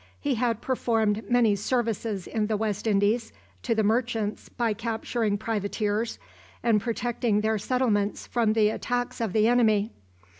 He had performed many services in the West Indies to the merchants by capturing privateers and protecting their settlements from the attacks of the enemy.